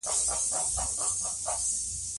زه هره ورځ ځان ته یو نوی هدف ټاکم.